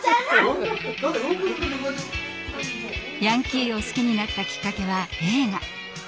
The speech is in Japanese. ヤンキーを好きになったきっかけは映画。